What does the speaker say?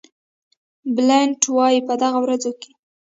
بلنټ وایي په دغه ورځو کې.